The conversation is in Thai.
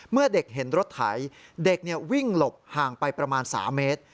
เมื่อเด็กเห็นรถไถเด็กวิ่งหลบห่างไปประมาณ๓เมตร